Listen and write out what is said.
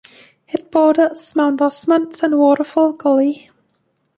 It borders Mount Osmond and Waterfall Gully.